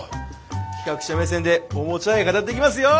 企画者目線でおもちゃ愛語っていきますよ！